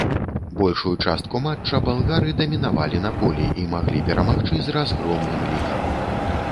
Большую частку матча балгары дамінавалі на полі і маглі перамагчы з разгромным лікам.